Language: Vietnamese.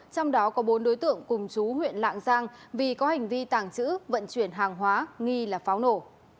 trong đó có bốn đối tượng cùng chú huyện lạng giang vì có hành vi tàng trữ vận chuyển hàng hóa nghi là pháo nổ